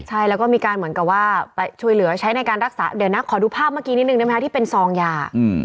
ใช่แล้วก็มีการเหมือนกับว่าไปช่วยเหลือใช้ในการรักษาเดี๋ยวนะขอดูภาพเมื่อกี้นิดนึงได้ไหมคะที่เป็นซองยา